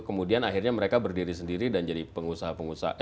kemudian akhirnya mereka berdiri sendiri dan jadi pengusaha pengusaha